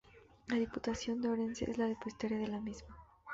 La Diputación de Orense es la depositaria de la misma.